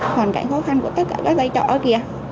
hoàn cảnh khó khăn của tất cả các giấy trọ kìa